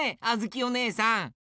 あづきおねえさん。